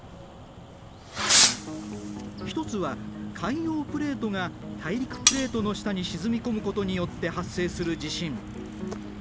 一つは海洋プレートが大陸プレートの下に沈み込むことによって発生する地震。